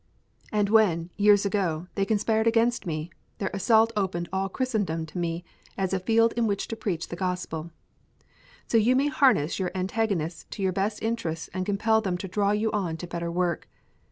And when, years ago, they conspired against me, their assault opened all Christendom to me as a field in which to preach the Gospel. So you may harness your antagonists to your best interests and compel them to draw you on to better work.